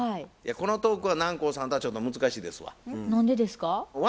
このトークは南光さんとはちょっと難しいですわ。